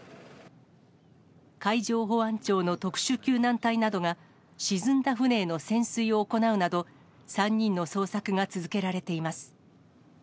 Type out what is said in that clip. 海上保安庁の特殊救難隊などが、沈んだ船への潜水を行うなど、３人の捜索が続けられています。